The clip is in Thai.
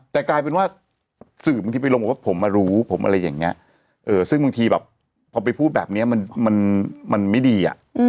แต่กลายเป็นว่าสื่อบางทีไปลงบอกว่าผมมารู้ผมอะไรอย่างนี้ซึ่งบางทีแบบพอไปพูดแบบนี้มันไม่ดี